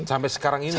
sampai sekarang ini ya